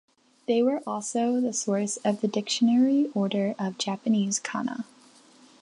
They were also the source of the dictionary order of Japanese "kana".